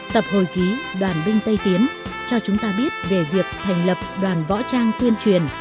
tập hồi ký đoàn binh tây tiến cho chúng ta biết về việc thành lập đoàn võ trang tuyên truyền